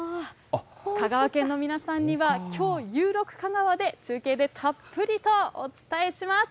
香川県の皆さんにはきょう、ゆう６かがわで中継でたっぷりとお伝えします。